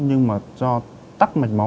nhưng mà do tắt mạch máu